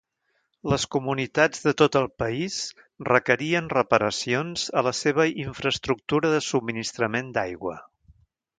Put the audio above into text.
Les comunitats de tot el país requerien reparacions a la seva infraestructura de subministrament d'aigua.